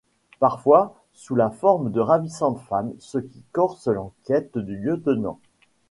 Parfois sous la forme de ravissantes femmes, ce qui corse l'enquête du lieutenant.